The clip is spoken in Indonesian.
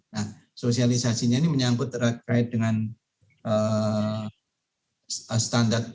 nah sosialisasinya ini menyangkut terkait dengan standar